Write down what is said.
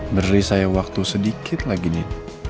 beri saya waktu sedikit lagi nih